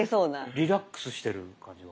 リラックスしてる感じが。